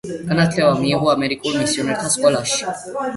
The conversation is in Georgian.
განათლება მიიღო ამერიკულ მისიონერთა სკოლაში.